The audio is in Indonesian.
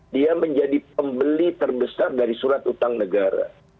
dia menjadi pembeli terbesar dari surat utang negara